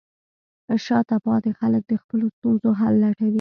شاته پاتې خلک د خپلو ستونزو حل لټوي.